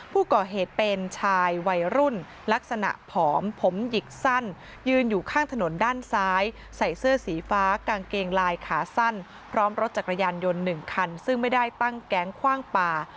ผู้ก่อเหตุเป็นชายวัยรุ่นลักษณะผอมผมหยิกสั้นยืนอยู่ข้างถนนด้านซ้ายใส่เสื้อสีฟ้ากางเกงลายขาสั้นพร้อมรถจักรยานยนต์๑คันซึ่งไม่ได้ตั้งแก๊งคว่างป่า